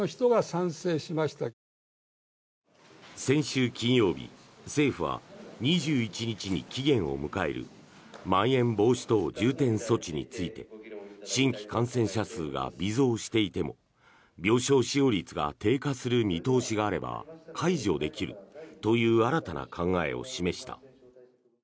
先週金曜日、政府は２１日に期限を迎えるまん延防止等重点措置について新規感染者数が微増していても病床使用率が低下する見通しがあれば解除できるという新たな考えを示した。